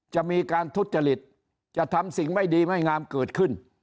จะมีการทุจริตจะทำสิ่งไม่ดีไม่งามเกิดขึ้น